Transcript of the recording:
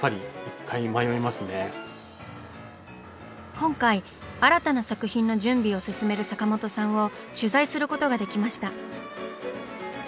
今回新たな作品の準備を進める坂本さんを取材することができました。